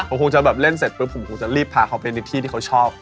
ก็คงจะแบบเล่นเสร็จปุ๊บผมคงจะรีบพาเขาไปในที่ที่เขาชอบ